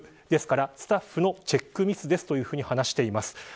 ですから、スタッフのチェックミスですと話しています。